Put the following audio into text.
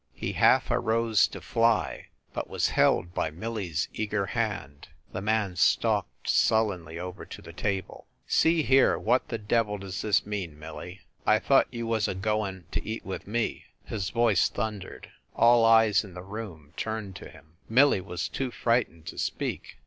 He half arose to fly, but was held by Millie s eager hand, The man stalked sullenly over to the table. THE CAXTON DINING ROOM 165 "See here; what the devil does this mean, Mil lie? I thought you was a goin to eat with me?" His voice thundered. All eyes in the room turned to him. Millie was too frightened to speak.